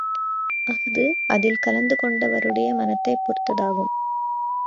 அஃது அதில் கலந்து கொண்டவருடைய மனத்தைப் பொறுத்ததாகும்.